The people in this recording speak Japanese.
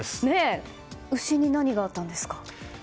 牛に何があったんですか？